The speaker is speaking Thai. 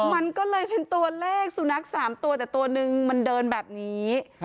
มันก็เลยเป็นตัวเลขสุนัข๓ตัวแต่ตัวนึงมันเดินแบบนี้